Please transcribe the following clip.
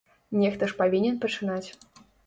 Нехта ж павінен пачынаць.